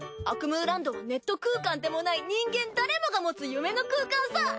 アクムーランドはネット空間でもない人間誰もが持つ夢の空間さ。